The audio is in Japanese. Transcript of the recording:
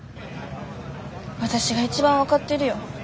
わたしが一番分かってるよ。